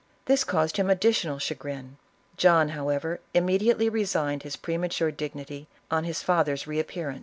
This caused him additional chagrin. John, however, immediately resigned his premature dignity, on his father's reappearance.